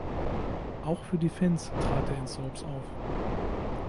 Auch für die Fans trat er in Soaps auf.